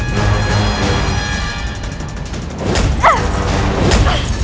kau akan menang